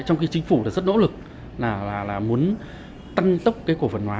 trong khi chính phủ rất nỗ lực là muốn tăng tốc cái cổ phân hóa